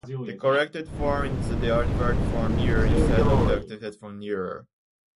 The correct form is the adverb form "near" instead of the adjective form "nearer".